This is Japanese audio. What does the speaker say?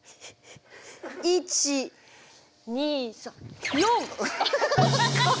１２３４。